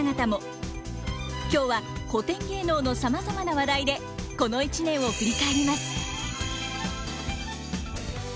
今日は古典芸能のさまざまな話題でこの一年を振り返ります。